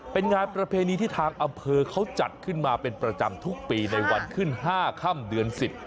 เป็นงานประเพณีที่ทางอำเภอเขาจัดขึ้นมาเป็นประจำทุกปีในวันขึ้น๕ค่ำเดือน๑๐